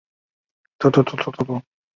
欧洲节拍发展出来。